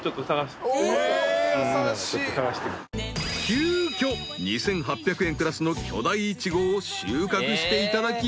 ［急きょ２，８００円クラスの巨大イチゴを収穫していただき］